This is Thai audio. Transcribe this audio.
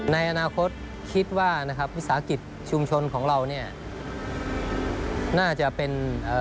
ในอนาคตคิดว่าวิสาหกิจชุมชนของเราน่าจะเป็น